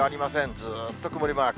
ずーっと曇りマーク。